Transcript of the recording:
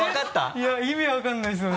いや意味分からないですよね。